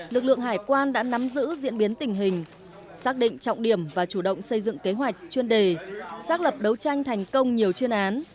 lực lượng hải quan đã nắm giữ diễn biến tình hình xác định trọng điểm và chủ động xây dựng kế hoạch chuyên đề xác lập đấu tranh thành công nhiều chuyên án